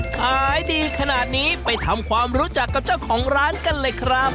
ขายดีขนาดนี้ไปทำความรู้จักกับเจ้าของร้านกันเลยครับ